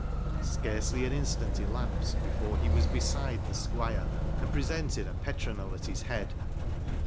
Scarcely an instant elapsed before be was beeide tbe sqmre,*and presented a petronel at bis bead.